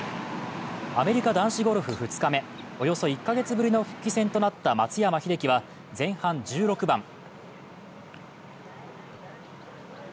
アメリカ男子ゴルフ２日目、およそ１カ月ぶりの復帰戦となった松山英樹は前半１６番